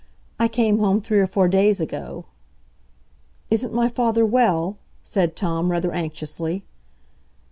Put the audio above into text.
"I came home three or four days ago." "Isn't my father well?" said Tom, rather anxiously.